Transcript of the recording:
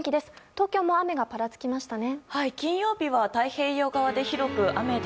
東京も雨がぱらつきましたね。